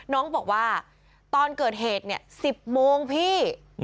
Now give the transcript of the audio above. น้องบอกว่าตอนเกิดเหตุเนี่ย๑๐โมงพี่